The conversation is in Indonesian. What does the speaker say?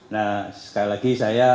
nah sekali lagi saya